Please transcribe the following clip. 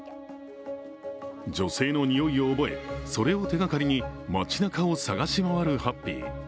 女性の匂いを覚え、それを手がかりに街なかを探し回るハッピー。